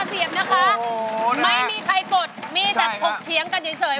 ทุกคนว่ารอเสียบนะคะ